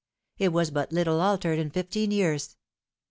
It was but little altered in fifteen years.